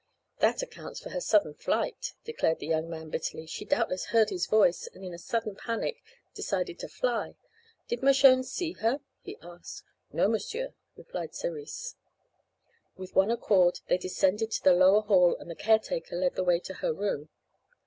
"That accounts for her sudden flight," declared the young man, bitterly. "She doubtless heard his voice and in a sudden panic decided to fly. Did Mershone see her?" he asked. "No, m'sieur," replied Cerise. With one accord they descended to the lower hall and the caretaker led the way to her room.